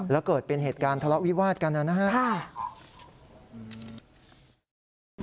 แล้วเกิดเป็นเหตุการณ์ทะเลาะวิวาดกันนะครับ